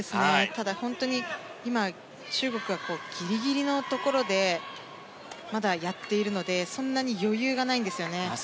ただ本当に今、中国はギリギリのところでまだやっているのでそんなに余裕がないんですよね。